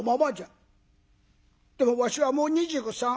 「でもわしはもう２３。